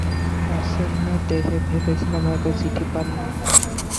আসছেন না দেখে ভাবছিলাম হয়তো চিঠি পান নি।